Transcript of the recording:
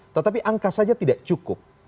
tetapi angka saja tidak cukup